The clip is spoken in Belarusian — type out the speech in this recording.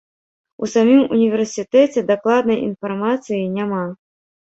У самім універсітэце дакладнай інфармацыі няма.